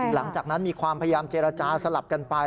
หลังจากนั้นมีความพยายามเจรจาสลับกันไป